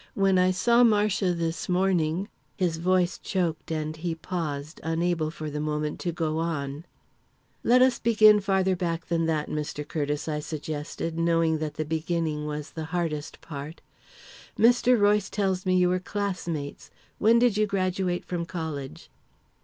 "When I saw Marcia this morning " His voice choked, and he paused, unable, for the moment, to go on. "Let us begin farther back than that, Mr. Curtiss," I suggested, knowing that the beginning was the hardest part. "Mr. Royce tells me you were classmates. When did you graduate from college?"